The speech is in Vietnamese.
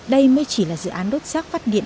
đây mới chỉ là dự án đốt rác phát điện